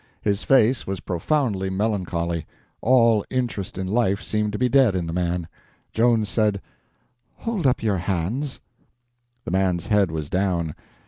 His face was profoundly melancholy; all interest in life seemed to be dead in the man. Joan said: "Hold up your hands." The man's head was down.